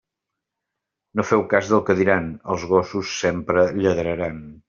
No feu cas del que diran; els gossos sempre lladraran.